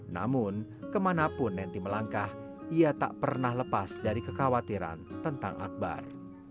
namun kemanapun nenty melangkah ia tak pernah lepas dari kekhawatiran tentang akbar